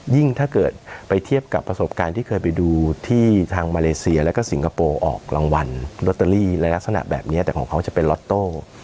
ถ้าเกิดไปเทียบกับประสบการณ์ที่เคยไปดูที่ทางมาเลเซียแล้วก็สิงคโปร์ออกรางวัลลอตเตอรี่ในลักษณะแบบนี้แต่ของเขาจะเป็นล็อตโต้